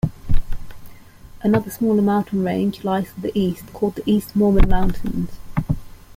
Another smaller mountain range lies to the east, called the East Mormon Mountains.